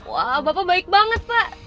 wah bapak baik banget pak